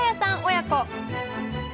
親子